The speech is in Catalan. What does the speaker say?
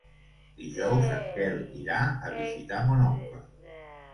Dijous en Quel irà a visitar mon oncle.